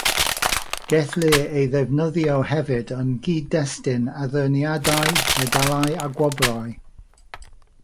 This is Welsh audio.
Gellir ei ddefnyddio hefyd yng nghyd-destun addurniadau, medalau a gwobrau.